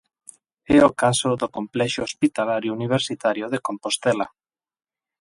É o caso do Complexo Hospitalario Universitario de Compostela.